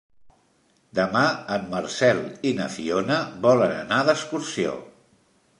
Demà en Marcel i na Fiona volen anar d'excursió.